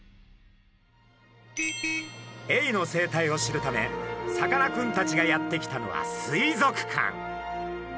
エイの生態を知るためさかなクンたちがやって来たのは水族館。